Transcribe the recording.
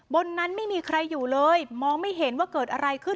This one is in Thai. บนนั้นไม่มีใครอยู่เลยมองไม่เห็นว่าเกิดอะไรขึ้น